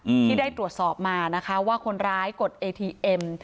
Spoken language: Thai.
อืมที่ได้ตรวจสอบมานะคะว่าคนร้ายกดเอทีเอ็ม